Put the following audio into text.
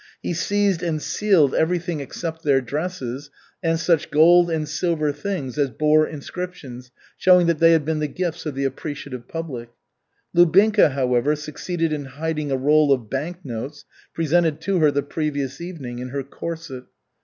He seized and sealed everything except their dresses and such gold and silver things as bore inscriptions showing they had been the gifts of the appreciative public. Lubinka, however, succeeded in hiding a roll of bank notes, presented to her the previous evening, in her corset.